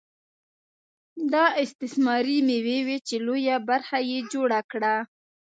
دا استثماري مېوې وې چې لویه برخه یې جوړه کړه